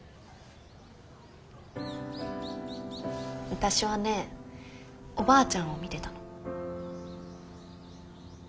私はねおばあちゃんを見てたの。